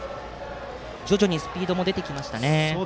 徐々にスピードも出てきましたね。